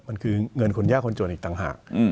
มันคือเงินคนยากคนจนอีกต่างหาก